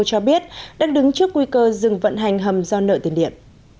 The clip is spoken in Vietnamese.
cho biết đang đứng trước nguy cơ dừng vận hành hầm do nợ tiền điện